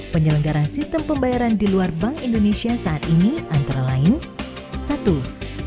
penyelenggara sistem pembayaran di luar bank indonesia saat ini antara bank indonesia dan bank indonesia